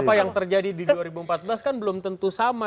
apa yang terjadi di dua ribu empat belas kan belum tentu sama